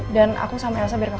dan aku sama elsa berantakan